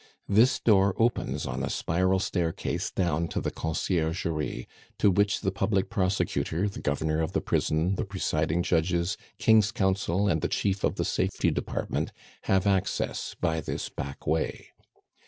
This door opens on a spiral staircase down to the Conciergerie, to which the public prosecutor, the governor of the prison, the presiding judges, King's council, and the chief of the Safety department have access by this back way.